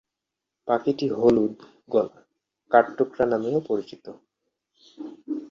পাখিটি হলুদ-গলা কাঠঠোকরা নামেও পরিচিত।